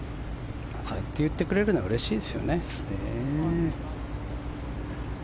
そうやって言ってくれるのはうれしいですよね。